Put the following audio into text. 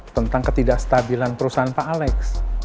tentang ketidakstabilan perusahaan pak alex